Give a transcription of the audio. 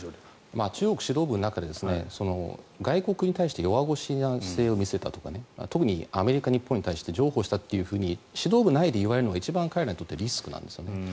中国指導部の中で外国に対して弱腰な姿勢を見せたとか特にアメリカ、日本に対して譲歩したっていうふうに指導部内で言われるのが一番彼らにとってリスクなんですよね。